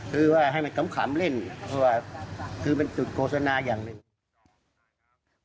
เพราะว่าคือเป็นจุดโกสนาอย่างหนึ่ง